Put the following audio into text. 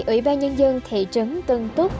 ủy ban nhân dân thị trấn tân túc